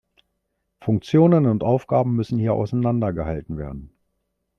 Funktionen und Aufgaben müssen hier auseinandergehalten werden.